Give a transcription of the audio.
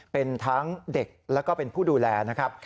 เป็นทั้งเด็กแล้วก็เป็นผู้ดูแลนะครับ